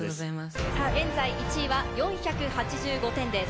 現在１位は４８５点です。